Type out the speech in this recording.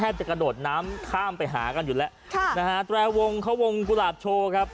จะกระโดดน้ำข้ามไปหากันอยู่แล้วค่ะนะฮะแตรวงเขาวงกุหลาบโชว์ครับ